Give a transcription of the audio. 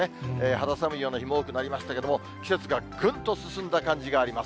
肌寒いような日も多くなりましたけど、季節がぐんと進んだ感じがあります。